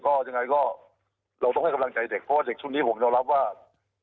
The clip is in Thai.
ก็ยังไงก็เราต้องให้กำลังใจเด็กเพราะว่าเด็กช่วงนี้ผมยอมรับว่า